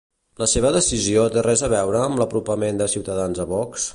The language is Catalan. La seva decisió té res a veure amb l'apropament de Ciutadans a Vox?